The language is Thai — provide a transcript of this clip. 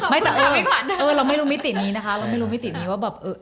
เออเราไม่รู้มิตินี้นะคะเราไม่รู้มิตินี้ว่าแบบเออ